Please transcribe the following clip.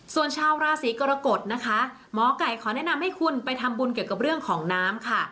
ส่วนชาวราศีกรกฎนะคะหมอไก่ขอแนะนำให้คุณไปทำบุญเกี่ยวกับเรื่องของน้ำค่ะ